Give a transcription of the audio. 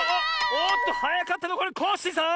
おっとはやかったのはこれコッシーさん！